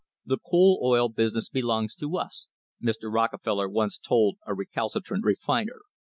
"The coal oil business belongs to us," Mr. Rockefeller once told a recalcitrant refiner.